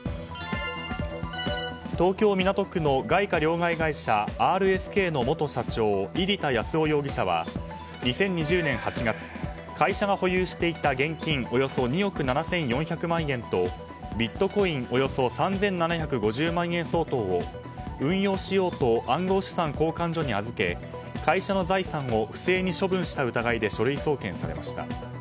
東京・港区の外貨両替会社ＲＳＫの元社長、入田康夫容疑者は２０２０年８月会社が保有していた現金およそ２億７４００万円とビットコインおよそ３７５０万円相当を運用しようと暗号資産交換所に預け会社の財産を不正に処分した疑いで書類送検されました。